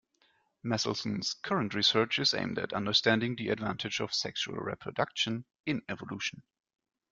Meselson's current research is aimed at understanding the advantage of sexual reproduction in evolution.